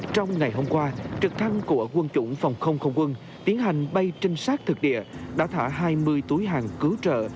trong ngày hôm qua trực thăng của quân chủng phòng không không quân tiến hành bay trinh sát thực địa đã thả hai mươi túi hàng cứu trợ